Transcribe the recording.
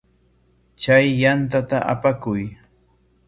Chay yantata apakuy.